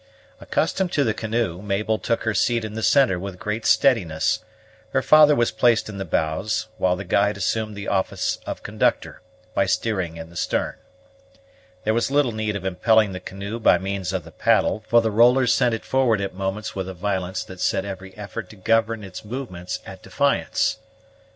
Accustomed to the canoe, Mabel took her seat in the centre with great steadiness, her father was placed in the bows, while the guide assumed the office of conductor, by steering in the stern. There was little need of impelling the canoe by means of the paddle, for the rollers sent it forward at moments with a violence that set every effort to govern its movements at defiance.